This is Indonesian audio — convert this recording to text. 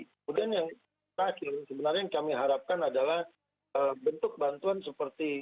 kemudian yang terakhir sebenarnya yang kami harapkan adalah bentuk bantuan seperti